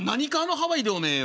ハワイでおめえよ。